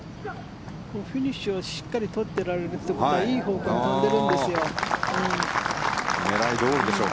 フィニッシュをしっかり撮ってられるということはいい方向に飛んでるんですよ。